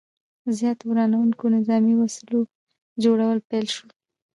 زیاتو ورانوونکو نظامي وسلو جوړول پیل شو.